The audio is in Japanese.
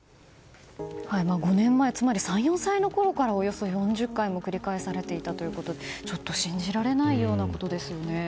５年前つまり３４歳のころからおよそ４０回も繰り返されていたということでちょっと信じられないようなことですよね。